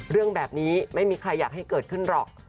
เรื่องแบบนี้ไม่มีใครอยากให้เกิดขึ้นหรอก